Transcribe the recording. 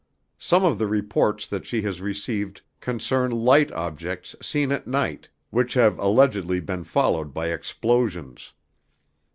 Some of the reports that she has received concern light objects seen at night which have allegedly been followed by explosions.